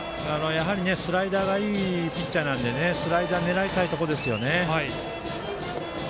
やはりスライダーがいいピッチャーなのでそれを狙いたいところですよね。